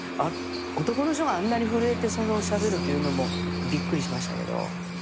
男の人があんなに震えてしゃべるっていうのもびっくりしましたけど。